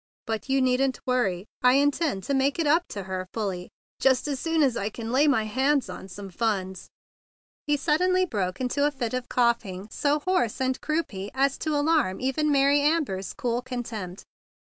But you needn't worry. I intend to make it up to her fully just as soon as I can lay hands on some funds—" He suddenly broke into a fit of coughing so hoarse and croupy as to alarm even Mary Amber's cool con¬ tempt.